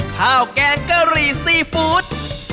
๑ข้าวแกงกะหรี่ซีฟูด